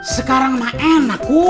sekarang enak kum